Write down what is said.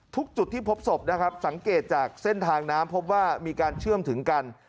จุดที่พบศพนะครับสังเกตจากเส้นทางน้ำพบว่ามีการเชื่อมถึงกัน